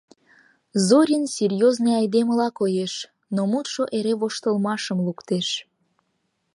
Зорин серьёзный айдемыла коеш, но мутшо эре воштылмашым луктеш.